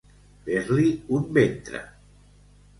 Fer-li un ventre.